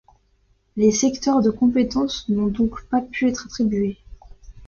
Les secteurs de compétence n'ont donc pas pu être attribués.